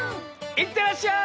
いってらっしゃい！